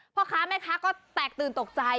พ่อค้าแม่ค้าก็แตกตื่นตกใจ